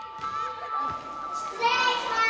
失礼します。